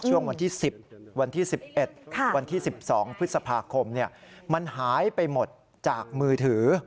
ช่วงวันที่๑๐วันที่๑๑วันที่๑๒พฤษภาคมมันหายไปหมดจากมือถือ